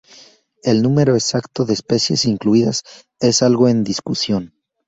El número exacto de especies incluidas es algo en discusión.